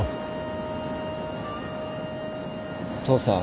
父さん。